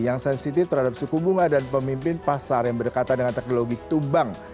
yang sensitif terhadap suku bunga dan pemimpin pasar yang berdekatan dengan teknologi tumbang